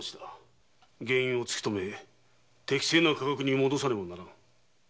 原因を突きとめ適正な価格に戻さねばならん。